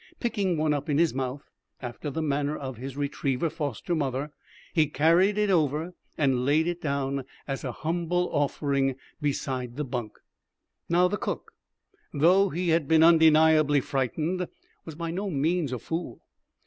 Picking one up in his mouth, after the manner of his retriever foster mother, he carried it over and laid it down, as a humble offering, beside the bunk. Now, the cook, though he had been undeniably frightened, was by no means a fool.